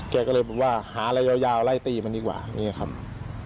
แกก็เลยบอกว่าหาอะไรยาวไล่ตีมันดีกว่าอย่างนี้ครับ